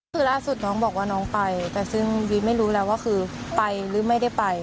คือล่าสุดน้องบอกว่าน้องไปแต่ซึ่งวีไม่รู้แล้วว่าคือไปหรือไม่ได้ไป